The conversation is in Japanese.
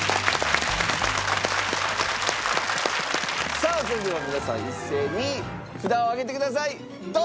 さあそれでは皆さん一斉に札を上げてください。